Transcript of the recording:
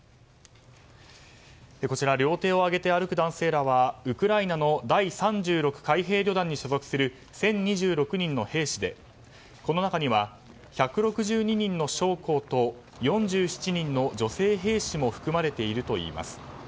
こちら両手を上げて歩く男性らはウクライナの第３６海兵旅団に所属する１０２６人の兵士でこの中には１６２人の将校と４７人の女性兵士も含まれているといいます。